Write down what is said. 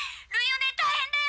大変だよ」